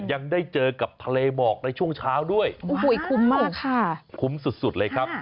ยังได้เจอกับทะเลหมอกในช่วงเช้าด้วยโอ้โหคุ้มมากค่ะคุ้มสุดสุดเลยครับ